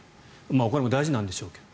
お金も大事なんでしょうけど。